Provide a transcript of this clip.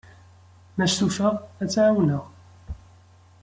Ma stufaɣ, ad tt-ɛawneɣ.